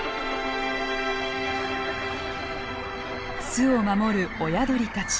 巣を守る親鳥たち。